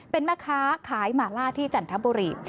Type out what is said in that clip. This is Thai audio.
เป็นแม่ค้าขายหมาล่าที่จันทบุรี